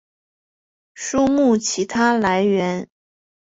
书目其它来源